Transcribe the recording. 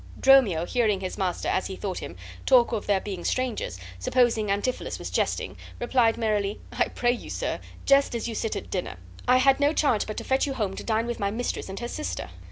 Dromio, hearing his master, as he thought him, talk of their being strangers, supposing Antipholus was jesting, replied, merrily: "I pray you, sir, jest as you sit at dinner. I had no charge but to fetch you home to dine with my mistress and her sister."